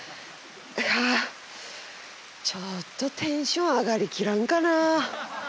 はあちょっとテンション上がり切らんかなあ。